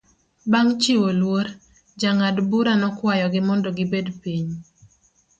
Bang' chiwo luor, jang'ad bura nokwayo gi mondo gibed piny.